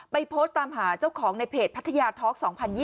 โพสต์ตามหาเจ้าของในเพจพัทยาท็อก๒๐๒๐